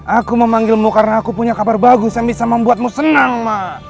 aku memanggilmu karena aku punya kabar bagus yang bisa membuatmu senang